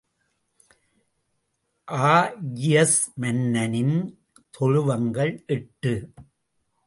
Augeas மன்னனின் தொழுவங்கள் எட்டு.